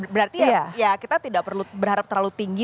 berarti ya kita tidak perlu berharap terlalu tinggi